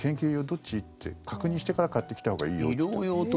どっち？って確認してから買ってきたほうがいいよって。